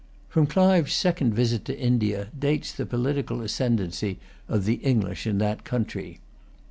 From Clive's second visit to India dates the political ascendency of the English in that country.